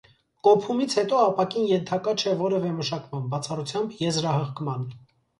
Կոփումից հետո ապակին ենթակա չէ որևէ մշակման, բացառությամբ եզրահղկման։